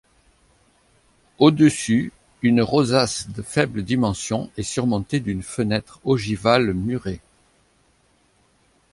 Au-dessus, une rosace de faibles dimensions est surmontée d’une fenêtre ogivale murée.